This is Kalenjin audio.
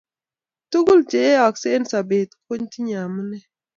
tukul cheyayaksei eng sabet kotinyei amune